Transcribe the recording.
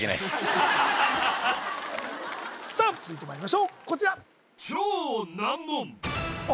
さあ続いてまいりましょうこちらああ